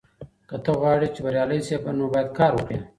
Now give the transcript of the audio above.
که ته غواړې چې بریالی شې نو باید کار وکړې.